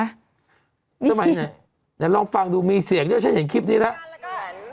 ทำไมเดี๋ยวลองฟังดูมีเสียงด้วยฉันเห็นคลิปนี้แล้ว